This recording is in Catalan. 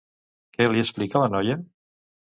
Què li explica la noia?